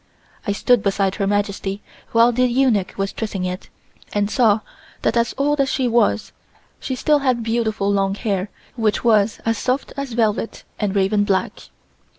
I stood beside her Majesty while the eunuch was dressing it and saw that as old as she was, she still had beautiful long hair which was as soft as velvet and raven black.